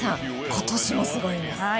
今年もすごいですよ！